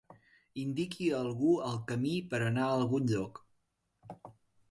Indiqui a algú el camí per anar a algun lloc.